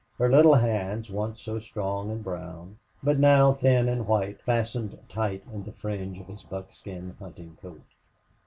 Her little hands, once so strong and brown, but now thin and white, fastened tight in the fringe of his buckskin hunting coat.